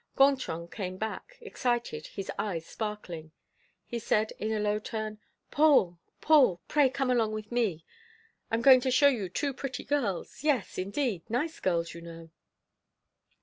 Gontran came back, excited, his eyes sparkling. He said, in a low tone: "Paul, Paul, pray come along with me; I'm going to show you two pretty girls; yes, indeed, nice girls, you know!"